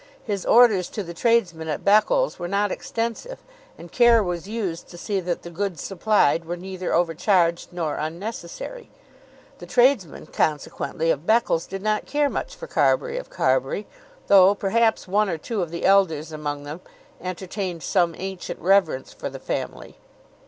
His orders to the tradesmen at Beccles were not extensive, and care was used to see that the goods supplied were neither overcharged nor unnecessary. The tradesmen, consequently, of Beccles did not care much for Carbury of Carbury; though perhaps one or two of the elders among them entertained some ancient reverence for the family.